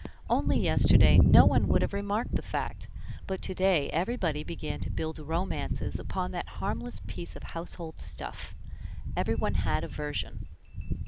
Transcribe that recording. Only yesterday no one would have remarked the fact, but to day everybody began to build romances upon that harmless piece of household stuff. Everyone had a version.